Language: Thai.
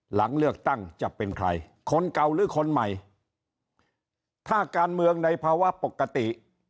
หลังเลือกตั้งจะเป็นใครคนเก่าหรือคนใหม่ถ้าการเมืองในภาวะปกติ